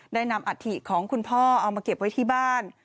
นำอัฐิของคุณพ่อเอามาเก็บไว้ที่บ้าน